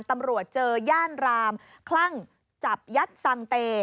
ตำรวจเจอย่านรามคลั่งจับยัดสังเต